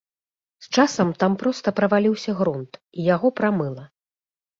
З часам там проста праваліўся грунт, і яго прамыла.